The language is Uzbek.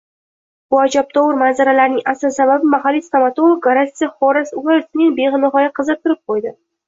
Bu ajabtovur manzaralarning asl sababi mahalliy stomatolog Goratsiy Xoras Uellsni benihoya qiziqtirib qo‘ydi